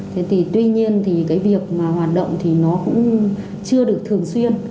thế thì tuy nhiên thì cái việc mà hoạt động thì nó cũng chưa được thường xuyên